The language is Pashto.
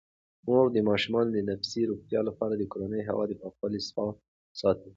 مور د ماشومانو د تنفسي روغتیا لپاره د کورني هوا د پاکوالي پام ساتي.